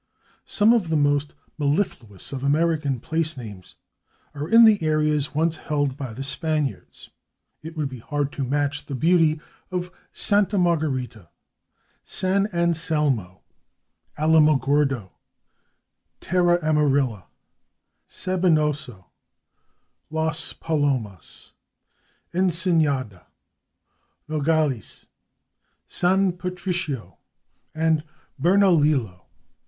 Some of the most mellifluous of American place names are in the areas once held by the Spaniards. It would be hard to match the beauty of /Santa Margarita/, /San Anselmo/, /Alamogordo/, /Terra Amarilla/, /Sabinoso/, /Las Palomas/, /Ensenada/, /Nogales/, /San Patricio/ and /Bernalillo